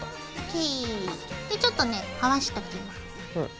でちょっとねはわしておきます。